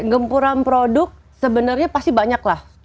gempuran produk sebenarnya pasti banyak lah